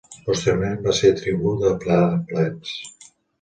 Posteriorment va ser tribú de la plebs.